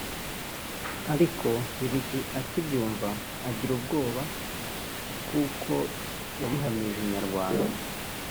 ariko Lil G akibyumva agira ubwoba nk’uko yabihamirije Inyarwanda